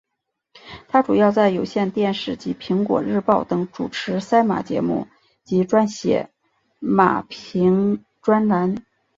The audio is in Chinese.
她主要在有线电视及苹果日报等主持赛马节目及撰写马评专栏。